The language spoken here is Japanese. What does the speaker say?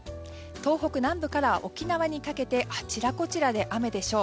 東北南部から沖縄にかけてあちらこちらで雨でしょう。